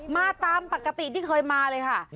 มาตามปกติที่เคยมาเลยค่ะ